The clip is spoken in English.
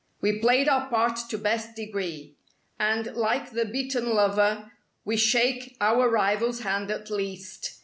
We played our part to best degree. And, like the beaten lover We shake orur rival's hand at least.